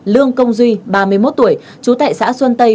lương công duy ba mươi một tuổi trú tại xã xuân tây